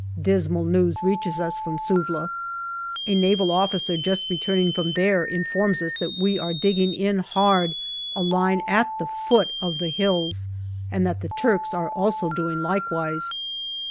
Dismal news reaches us from Suvla. A Naval officer just returning from there informs us that we are digging in hard a line at the foot of the hills, and that the Turks are also doing likewise.